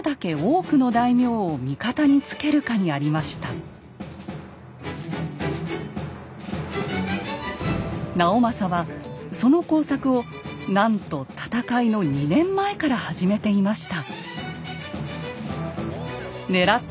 勝敗の分かれ目は直政はその工作をなんと戦いの２年前から始めていました。